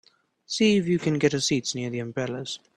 See if you can get us seats near the umbrellas.